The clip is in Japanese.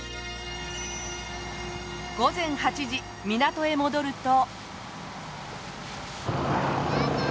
午前８時港へ戻ると。